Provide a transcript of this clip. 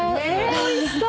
おいしそう！